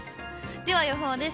では予報です。